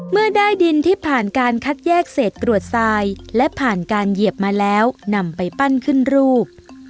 เมื่อได้ดินที่ผ่านการคัดแยกเศษกรวดทรายและผ่านการเหยียบมาแล้วนำไปปั้นขึ้นรูป